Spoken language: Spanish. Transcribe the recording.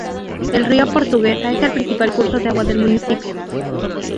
El Río Portuguesa es el principal curso de agua del municipio.